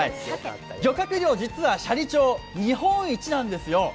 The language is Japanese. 漁獲量、実は斜里町、日本一なんですよ。